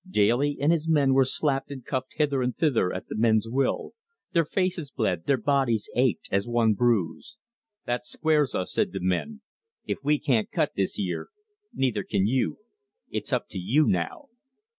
Daly and his man were slapped and cuffed hither and thither at the men's will. Their faces bled, their bodies ached as one bruise. "That squares us," said the men. "If we can't cut this year, neither kin you. It's up to you now!"